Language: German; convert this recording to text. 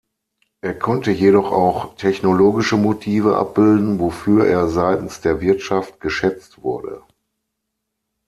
Er konnte jedoch auch technologische Motive abbilden, wofür er seitens der Wirtschaft geschätzt wurde.